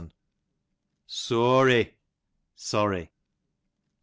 Sooary, sorry.